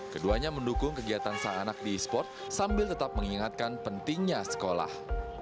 keduanya mendukung kegiatan seanak di esports sambil tetap mengingatkan pentingnya sekolah